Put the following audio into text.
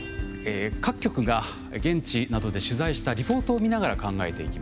各局が現地などで取材したリポートを見ながら考えていきます。